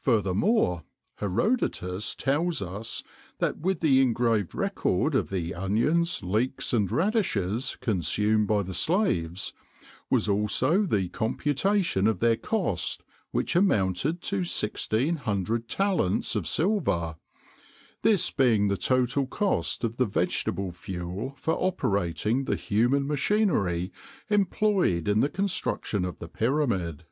Furthermore, Herodotus tells us that with the engraved record of the onions, leeks and radishes consumed by the slaves, was also the computation of their cost which amounted to 1,600 talents of silver, this being the total cost of the vegetable fuel for operating the human machinery employed in the construction of the Pyramid.